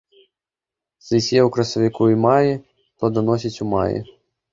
Цвіце ў красавіку і маі, плоданасіць у маі.